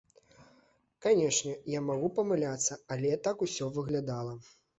Канечне, я магу памыляцца, але так усё выглядала.